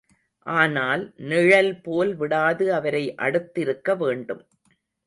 ஆனால் நிழல்போல் விடாது அவரை அடுத்திருக்க வேண்டும்.